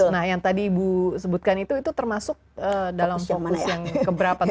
nah yang tadi ibu sebutkan itu itu termasuk dalam fokus yang keberapa tuh bu